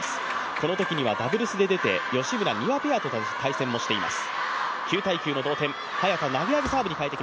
このときにはダブルスで出て吉村、丹羽ペアと対戦しました。